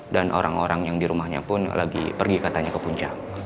dan orang orang yang di rumahnya pun lagi pergi katanya ke puncak